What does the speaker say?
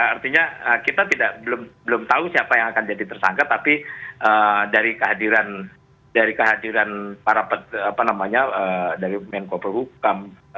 artinya kita belum tahu siapa yang akan jadi tersangka tapi dari kehadiran para apa namanya dari menko perhukam